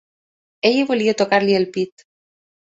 Ella volia tocar-li el pit.